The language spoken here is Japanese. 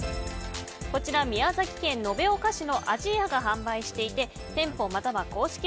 こちら宮崎県延岡市のあじ屋が販売していて店舗または公式